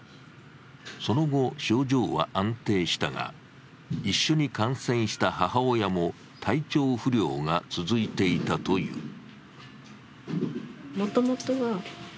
その後、症状は安定したが、一緒に感染した母親も体調不良が続いていたという。